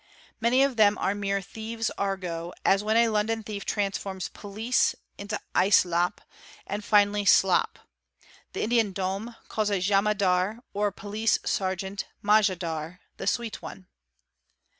Many of them are mere thieves' argot, as when a London thief transforms "police"? into '"icelop"' and finally "slop," the Indian Dom calls a Jamadar, or Police Sergeant, Majadar, "the sweet one."